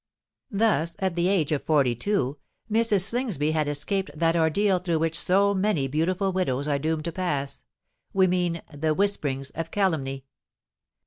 Thus, at the age of forty two, Mrs. Slingsby had escaped that ordeal through which so many beautiful widows are doomed to pass: we mean, the whisperings of calumny.